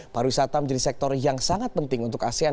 pariwisata menjadi sektor yang sangat penting untuk asean